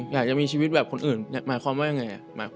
อยากจะมีชีวิตแบบคนอื่นหมายความว่ายังไง